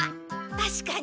たしかに。